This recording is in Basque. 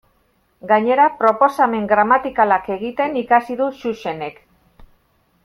Gainera, proposamen gramatikalak egiten ikasi du Xuxenek.